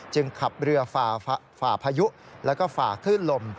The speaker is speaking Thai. จึงขับเรือฝ่าพายุแล้วก็ฝ่าขึ้นลม